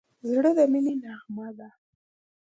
زړه د مینې نغمه ده.